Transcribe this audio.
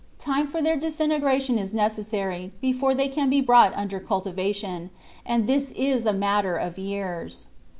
Time for their disintegration is necessary before they can be brought under cultivation, and this is a matter of years.